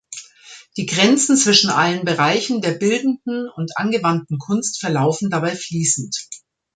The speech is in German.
Die Grenzen zwischen allen Bereichen der bildenden und angewandten Kunst verlaufen dabei fließend.